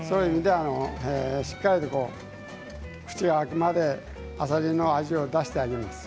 しっかりと口が開くまであさりの味を出してあげます。